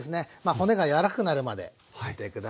骨が柔らかくなるまで煮て下さい。